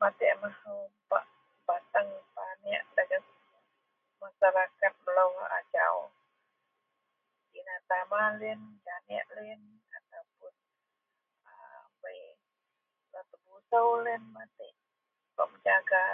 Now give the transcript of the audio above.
Matek a mahou bak bateang panek dagen masyarakat melo ajau, tina-tama siyen janeak siyen bei tebuso bei bak mejaga.